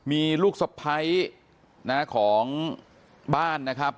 มีลูกสะพ้ายของบ้านนะครับ